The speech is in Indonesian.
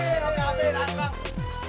terpaksa satu kaki